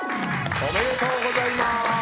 おめでとうございまーす！